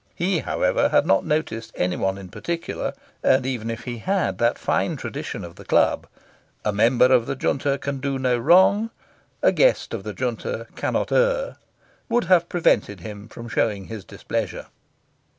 He, however, had not noticed any one in particular, and, even if he had, that fine tradition of the club "A member of the Junta can do no wrong; a guest of the Junta cannot err" would have prevented him from showing his displeasure.